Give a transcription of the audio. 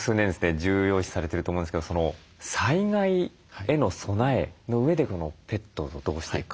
重要視されてると思うんですけど災害への備えのうえでペットとどうしていくか。